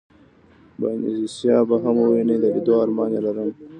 باینیسیزا به هم ووینې، د لېدو ارمان یې لرم.